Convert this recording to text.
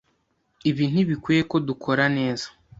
Ibi ntibikwiye ko dukora neza.